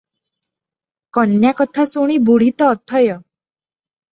କନ୍ୟା କଥା ଶୁଣି ବୁଢ଼ୀ ତ ଅଥୟ ।